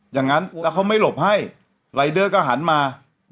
อย่างนั้นแล้วเขาไม่หลบให้รายเดอร์ก็หันมา